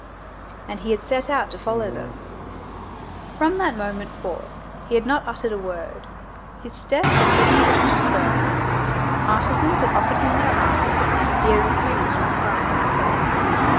And he had set out to follow them. From that moment forth he had not uttered a word. His step had suddenly become firm; artisans had offered him their arms; he had refused with a sign of the head.